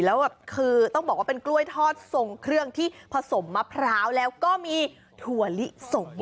แล้วแบบคือต้องบอกว่าเป็นกล้วยทอดทรงเครื่องที่ผสมมะพร้าวแล้วก็มีถั่วลิสง